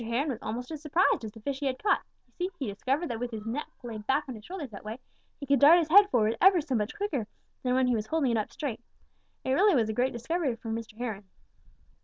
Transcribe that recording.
Heron was almost as surprised as the fish he had caught. You see, he discovered that with his neck laid back on his shoulders that way, he could dart his head forward ever so much quicker than when he was holding it up straight. It really was a great discovery for Mr. Heron.